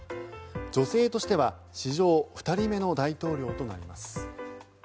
女性としては史上２人目の大統領となります。